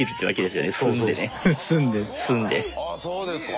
そうですか。